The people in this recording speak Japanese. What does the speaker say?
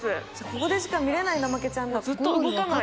ここでしか見れないナマケちゃんだ。